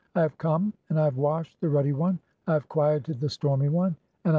I "have come and I have washed the Ruddy one, I have quieted "the Stormy one, and I have filled